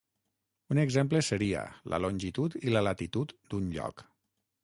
Un exemple seria la longitud i la latitud d'un lloc.